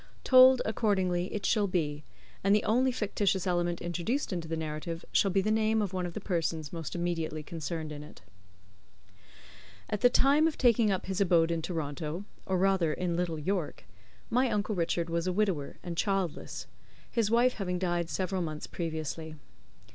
Told, accordingly, it shall be; and the only fictitious element introduced into the narrative shall be the name of one of the persons most immediately concerned in it. At the time of taking up his abode in Toronto or rather in Little York my uncle Richard was a widower, and childless; his wife having died several months previously.